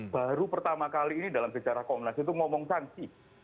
baru pertama kali ini dalam sejarah komnas itu ngomong sanksi